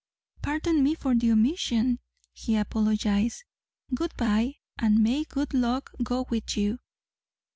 "Pardon me for the omission," he apologized. "Good bye and may good luck go with you!"